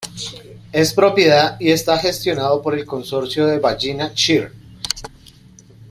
Es propiedad y está gestionado por el Consorcio de Ballina Shire.